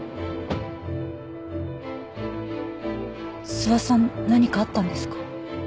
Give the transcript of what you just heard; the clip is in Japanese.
須波さん何かあったんですか？